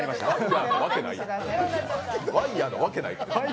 ワイヤーなわけない。